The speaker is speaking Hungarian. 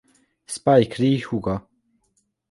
Spike Lee húga.